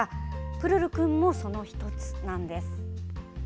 プルルくんも、その１つなんです。